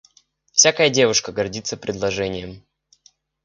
Всякая девушка гордится предложением.